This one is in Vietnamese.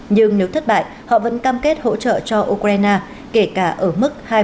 nhưng nếu thất bại họ vẫn cam kết hỗ trợ cho ukraine kể cả ở mức hai mươi sáu thành viên